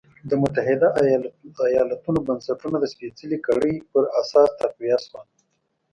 د متحده ایالتونو بنسټونه د سپېڅلې کړۍ پر اساس تقویه شول.